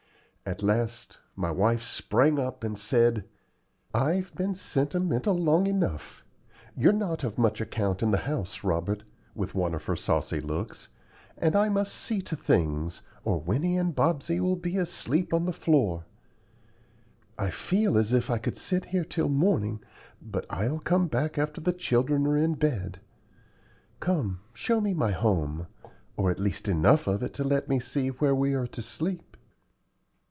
At last my wife sprang up and said: "I've been sentimental long enough. You're not of much account in the house, Robert" with one of her saucy looks "and I must see to things, or Winnie and Bobsey will be asleep on the floor. I feel as if I could sit here till morning, but I'll come back after the children are in bed. Come, show me my home, or at least enough of it to let me see where we are to sleep."